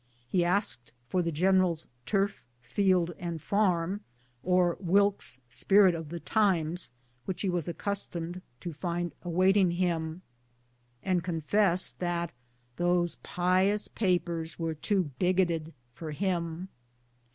He asked for the general's Turf^ Fields and Farin^ or Wilkes's Spirit of the Times, which he was accustomed to find awaiting him, and confessed that "those pious papers were too bagoted" for him